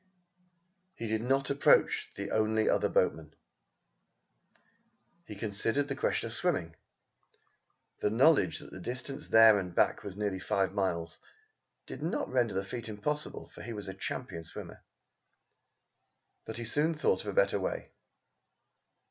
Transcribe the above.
He did not approach the only other boatman. He considered the question of swimming. The knowledge that the distance there and back was nearly five miles did not render the feat impossible, for he was a champion swimmer. But he soon thought of a better way.